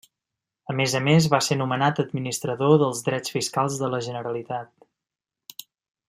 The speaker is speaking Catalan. A més a més, va ser nomenat administrador dels drets fiscals de la Generalitat.